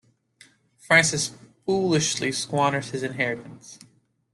Francis foolishly squanders his inheritance.